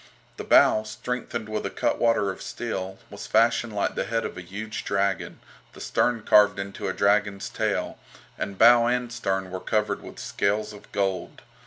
The bow, strengthened with a cut water of steel, was fashioned like the head of a huge dragon, the stern carved into a dragon's tail, and bow and stern were covered with scales of gold.